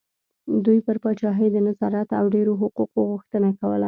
دوی پر پاچاهۍ د نظارت او ډېرو حقوقو غوښتنه کوله.